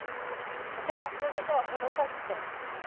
とても数字とは程遠くて。